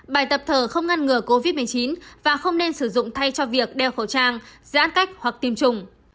bài tập thở không ngăn ngừa covid một mươi chín và không nên sử dụng thay cho việc đeo khẩu trang giãn cách hoặc tiêm chủng